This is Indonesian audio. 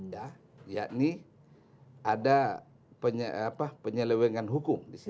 ya yakni ada penyelewengan hukum di sini